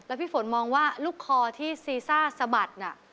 พี่ฝนมองว่าลูกคอที่ซีซ่าสะบัดน่ะ